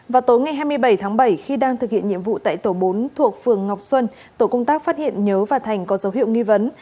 vào tối ngày hai mươi bảy tháng bảy khi đang thực hiện nhiệm vụ tại tổ bốn thuộc phường ngọc xuân tổ công tác phát hiện nhớ và thành có dấu hiệu nghi vấn